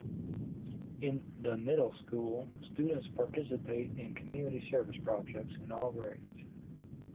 In the Middle School, students participate in Community Service projects in all grades.